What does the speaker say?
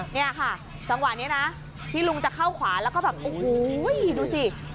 เนี่ยค่ะจังหวะนี้นะที่ลุงจะเข้าขวาแล้วก็แบบโอ้โหดูสิ